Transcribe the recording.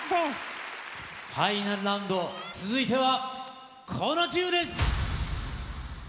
ファイナルラウンド、続いてはこのチームです。